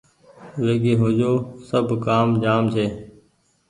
ويگي هو جو سب ڪآم جآم ڇي